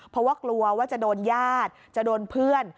เพราะว่ากลัวว่าจะโดนญาติจะโดนเพื่อน